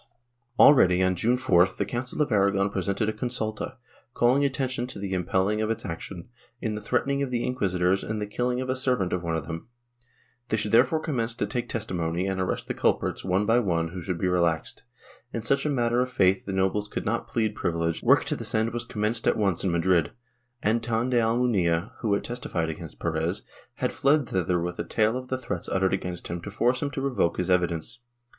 Already, on June 4th, the Council of Aragon presented a consulta, calling attention to the impeding of its action, in the threatening of the inquisitors and the killing of a servant of one of them; they should therefore commence to take testimony and arrest the culprits, one by one, who should be relaxed; in such a matter of faith the nobles could not plead privilege and there could be no manifestaciones and firmas. Work to this end was commenced at once in Madrid. Anton de Almunia, who had testified against Perez, had fled thither with a tale of the threats uttered against him to force him to revoke his evidence.